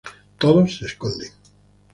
Todos se esconden.